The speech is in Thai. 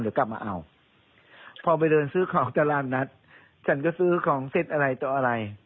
เดี๋ยวกลับมาเอาพอไปเดินซื้อของตลาดนัดฉันก็ซื้อของเสร็จอะไรต่ออะไร